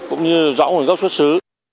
cũng như rõ nguồn gốc xuất xứ